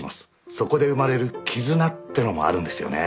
そこで生まれる絆ってのもあるんですよね